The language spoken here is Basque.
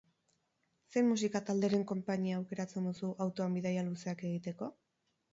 Zein musika talderen konpainia aukeratzen duzu autoan bidaia luzeak egiteko?